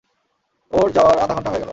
ওর যাওয়ার আধা ঘন্টা হয়ে গেল।